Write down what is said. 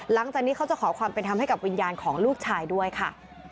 หลังจากนี้เขาจะขอความเป็นธรรมให้กับวิญญาณของลูกชายด้วยค่ะ